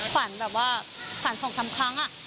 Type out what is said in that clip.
ฝันแบบว่าฝันสองสามครั้ง